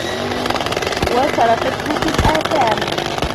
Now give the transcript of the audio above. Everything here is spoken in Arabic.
وَصَرَفْته فِي الْآثَامِ